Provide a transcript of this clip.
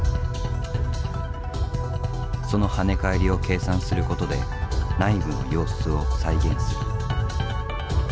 その跳ね返りを計算することで内部の様子を再現する。